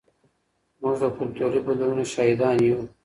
موږ د کلتوري بدلونونو شاهدان یو.